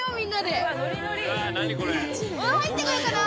入ってこようかな！